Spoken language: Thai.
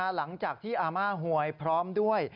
หลังจากที่อาม่าหวยพร้อมด้วย